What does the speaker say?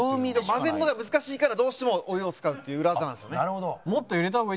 混ぜるのが難しいからどうしてもお湯を使うっていう裏技なんですよね。